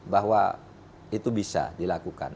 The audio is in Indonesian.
bahwa itu bisa dilakukan